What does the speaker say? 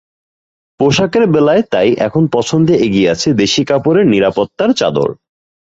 পোশাকের বেলায় তাই এখন পছন্দে এগিয়ে আছে দেশি কাপড়ের নিরাপত্তার চাদর।